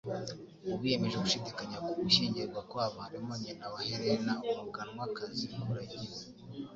Mu biyemeje gushidikanya ku gushyingirwa kwabo harimo nyina wa Helene, Umuganwakazi Kuragina.